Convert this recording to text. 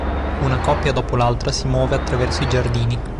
Una coppia dopo l'altra si muove attraverso i giardini.